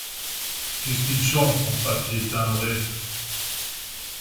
Qu’est-ce qu’il chante, son papier timbré ?